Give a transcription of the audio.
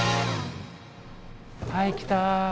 はい来た。